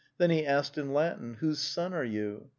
... Then he asked in Latin, ' Whose son are you?